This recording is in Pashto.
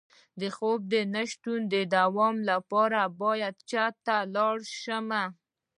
د خوب د نشتوالي د دوام لپاره باید چا ته لاړ شم؟